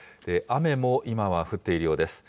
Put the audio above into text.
雨も今は降っているようです。